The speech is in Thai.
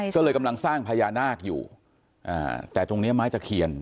ก็เลยกำลังสร้างพญานาคอยู่แต่ตรงนี้ไม้ตะเคียน